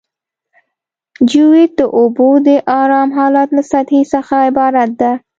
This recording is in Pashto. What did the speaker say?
جیوئید د اوبو د ارام حالت له سطحې څخه عبارت ده